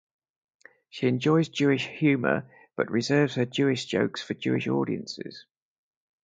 She enjoys Jewish humor, but reserves her Jewish jokes for Jewish audiences.